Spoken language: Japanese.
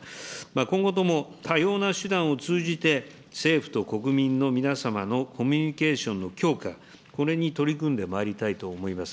今後とも多様な手段を通じて、政府と国民の皆様のコミュニケーションの強化、これに取り組んでまいりたいと思います。